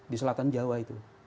di selatan jawa itu